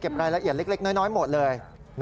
รายละเอียดเล็กน้อยหมดเลย